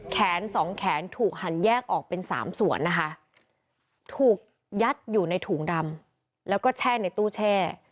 แขนสองแขนถูกหันแยกออกเป็น๓ส่วนนะคะถูกยัดอยู่ในถุงดำแล้วก็แช่ในตู้แช่